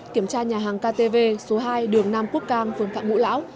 kiểm tra nhà hàng ktv số hai đường nam quốc cang phường phạm ngũ lão